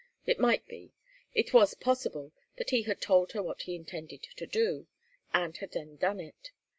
It might be. It was possible that he had told her what he intended to do, and had then done it.